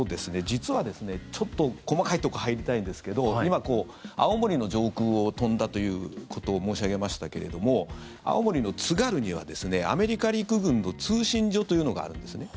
実はちょっと細かいところ入りたいんですけど今、青森の上空を飛んだということを申し上げましたけど青森の津軽にはアメリカ陸軍の通信所というのがあるんですね。